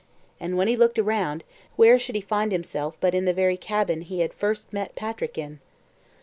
And when he looked around, where should he find himself but in the very cabin he had first met Patrick in.